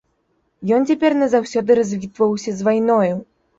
Ён цяпер назаўсёды развітваўся з вайною!